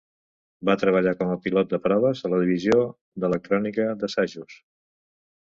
Va treballar com a pilot de proves a la Divisió d'Electrònica d'Assajos.